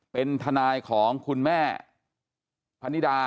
เป็นทนายของคุณแม่พนิดา